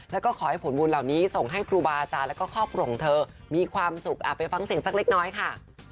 แล้วก็ขอให้ผลบุญเหล่านี้ส่งให้ครูบาอาจารย์แล้วก็ครอบครัวของเธอมีความสุขไปฟังเสียงสักเล็กน้อยค่ะ